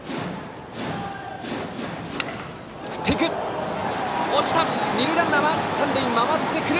振っていく！